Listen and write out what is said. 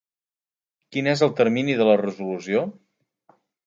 Quin és el termini de la resolució?